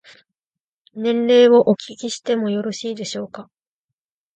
年齢をお聞きしてもよろしいでしょうか。